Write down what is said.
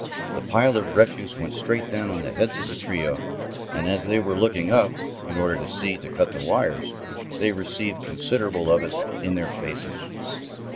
The pile of refuse went straight down on the heads of the trio, and, as they were looking up, in order to see to cut the wires, they received considerable of it in their faces.